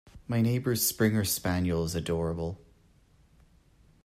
My neighbour’s springer spaniel is adorable